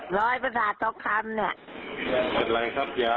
ร้อยประสาทท็อกคำเนี่ย